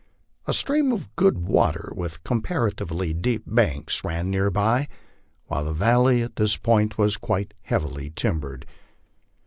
A stream of good water with comparatively deep banks ran near by, while the valley at this point was quite heavily timbered.